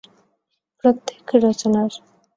প্রত্যেক রচনার